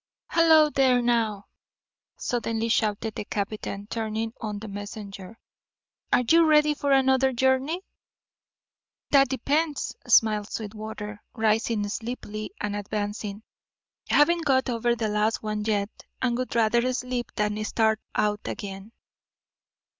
"Halloo there, now!" suddenly shouted the captain, turning on the messenger. "Are you ready for another journey?" "That depends," smiled Sweetwater, rising sleepily and advancing. "Haven't got over the last one yet, and would rather sleep than start out again."